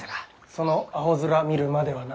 そのアホ面見るまではな。